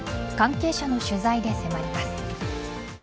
関係者の取材で迫ります。